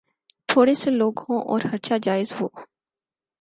تھوڑے سے لوگ ہوں اور خرچا جائز ہو۔